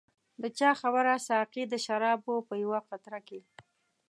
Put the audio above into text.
د چا خبره ساقي د شرابو په یوه قطره کې.